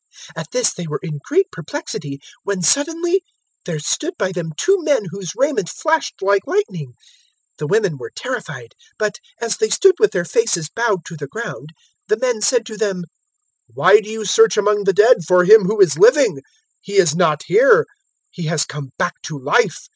024:004 At this they were in great perplexity, when suddenly there stood by them two men whose raiment flashed like lightning. 024:005 The women were terrified; but, as they stood with their faces bowed to the ground, the men said to them, "Why do you search among the dead for Him who is living? 024:006 He is not here. He has come back to life.